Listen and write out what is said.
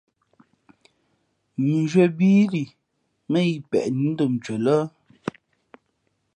Mʉnzhwē bií lǐ mά yi peʼ nǐ ndom ncwen lά ?